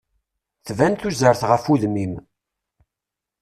Tban tuzert ɣef udem-im.